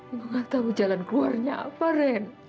ibu gak tahu jalan keluarnya apa ren